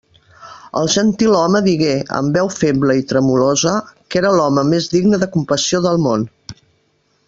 El gentilhome digué, amb veu feble i tremolosa, que era l'home més digne de compassió del món.